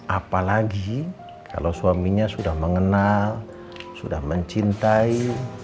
apalagi kalau suaminya sudah mengenal sudah mencintai